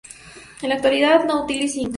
En la actualidad, Nautilus Inc.